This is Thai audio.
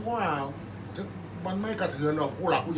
อันไหนที่มันไม่จริงแล้วอาจารย์อยากพูด